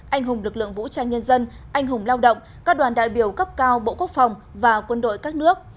anh hùng lực lượng vũ trang nhân dân anh hùng lao động các đoàn đại biểu cấp cao bộ quốc phòng và quân đội các nước